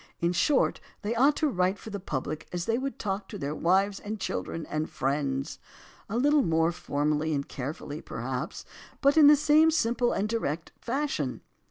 In short, they ought to write for the public as they would talk to their wives and children and friends; a little more formally and carefully; perhaps, but in the same simple and direct fashion.